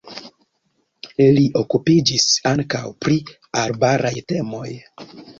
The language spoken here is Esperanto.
Li okupiĝis ankaŭ pri arbaraj temoj.